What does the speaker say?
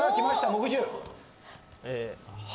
木１０。